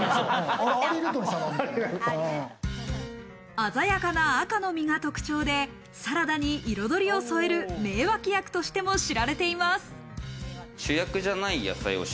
鮮やかな赤の実が特徴で、サラダに彩りを添える、名脇役としても知られています。